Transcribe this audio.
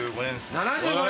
７５年！